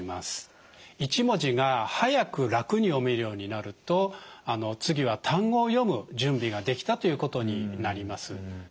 １文字が速く楽に読めるようになると次は単語を読む準備ができたということになります。